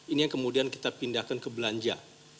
ini yang kemudian kita pindahkan ke belanja